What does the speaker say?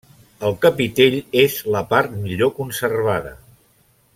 El capitell és la part millor conservada.